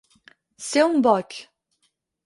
Ser un boig.